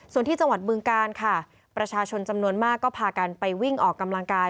ส่วนที่จังหวัดบึงการค่ะประชาชนจำนวนมากก็พากันไปวิ่งออกกำลังกาย